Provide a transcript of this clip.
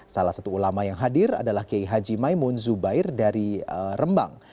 salah satu ulama yang hadir adalah kiai haji maimun zubair dari rembang